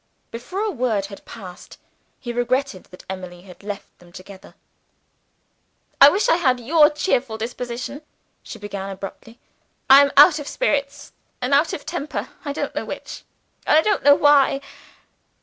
Before a word had passed, he regretted that Emily had left them together. "I wish I had your cheerful disposition," she began, abruptly. "I am out of spirits or out of temper I don't know which; and I don't know why.